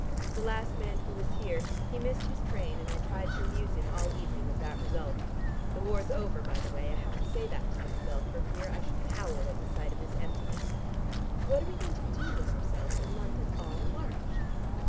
"The last man who was here. He missed his train, and I tried to amuse him all evening with that result. The war's over, by the way, I have to say that to myself, for fear I should howl at the sight of this emptiness. What are we going to do with ourselves in London all March?"